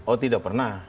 oh tidak pernah